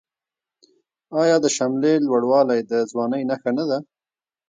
آیا د شملې لوړوالی د ځوانۍ نښه نه ده؟